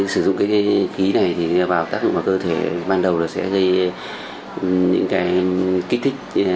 sử dụng cái khí này thì vào tác dụng vào cơ thể ban đầu là sẽ gây những cái kích thích